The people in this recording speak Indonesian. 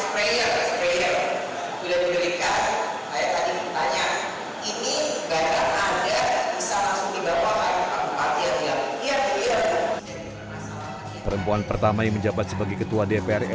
pertama perempuan pertama yang menjabat sebagai ketua dpr ri ini menyatakan